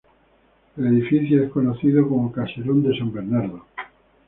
El edificio es conocido como caserón de San Bernardo.